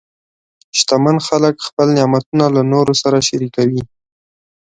شتمن خلک خپل نعمتونه له نورو سره شریکوي.